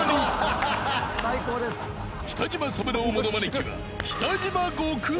［北島三郎ものまね期は］